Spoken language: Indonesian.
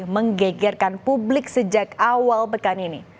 menggegerkan publik sejak awal pekan ini